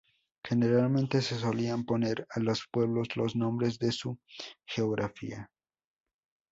Generalmente se solían poner a los pueblos los nombres de su geografía.